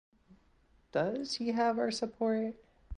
Does he have our support?